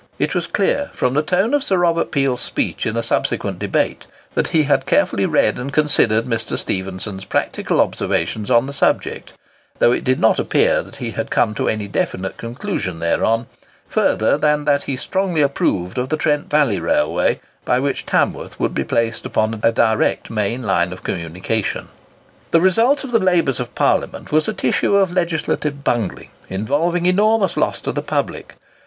It was clear, from the tone of Sir Robert Peel's speech in a subsequent debate, that he had carefully read and considered Mr. Stephenson's practical observations on the subject; though it did not appear that he had come to any definite conclusion thereon, further than that he strongly approved of the Trent Valley Railway, by which Tamworth would be placed upon a direct main line of communication. The result of the labours of Parliament was a tissue of legislative bungling, involving enormous loss to the public.